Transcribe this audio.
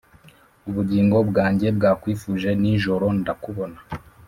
Ubugingo bwanjye bwakwifuje nijoro ndakubona